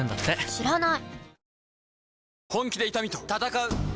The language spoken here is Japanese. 知らない！